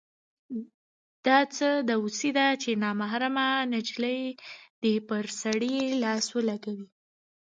دا څه دوسي ده چې نامحرمه نجلۍ دې پر سړي لاس ولګوي.